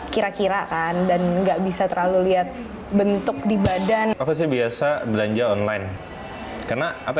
kira kira kan dan nggak bisa terlalu lihat bentuk di badan aku sih biasa belanja online karena apa